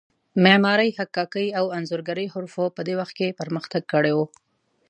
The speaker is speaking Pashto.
معمارۍ، حکاکۍ او انځورګرۍ حرفو په دې وخت کې پرمختګ کړی و.